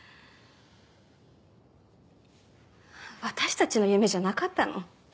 私たちの夢じゃなかったの？